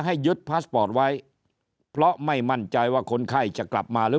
ให้ยึดพาสปอร์ตไว้เพราะไม่มั่นใจว่าคนไข้จะกลับมาหรือ